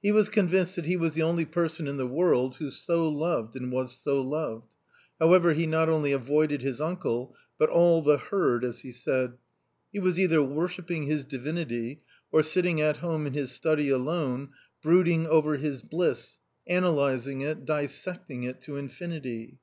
He was convinced that he was the only person in the world who so loved and was so loved. However, he not only avoided his uncle, but all the " herd " as he said. He was either worshipping his divinity, or sitting at home in his study alone, brooding over his bliss, analysing it, dissecting it to infinity.